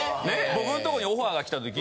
僕んとこにオファーが来たとき